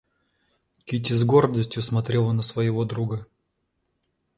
Кити с гордостью смотрела на своего друга.